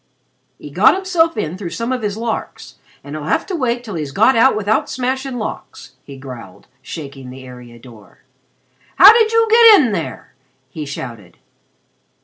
"He got himself in through some of his larks, and he'll have to wait till he's got out without smashing locks," he growled, shaking the area door. "How did you get in there?" he shouted.